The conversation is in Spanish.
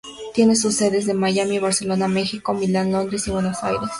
Tiene sus sedes en Miami, Barcelona, Mexico, Milan, Londres y Buenos Aires.